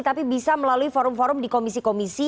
tapi bisa melalui forum forum di komisi komisi